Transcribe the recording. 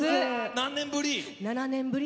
何年ぶり？